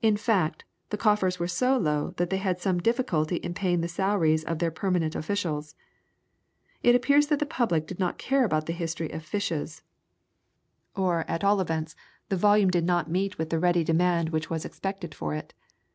In fact, the coffers were so low that they had some difficulty in paying the salaries of their permanent officials. It appears that the public did not care about the history of fishes, or at all events the volume did not meet with the ready demand which was expected for it.